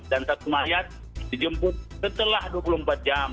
dan satu mayat dijemput setelah dua puluh empat jam